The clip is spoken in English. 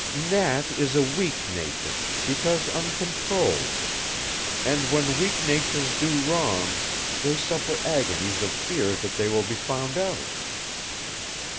"Nat is a weak nature, because uncontrolled, and when weak natures do wrong they suffer agonies of fear that they will be found out.